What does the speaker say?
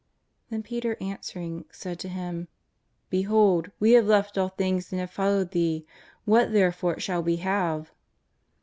Then Peter answering, said to Him :" Behold, we have left all things and have followed Thee: what there fore shall we have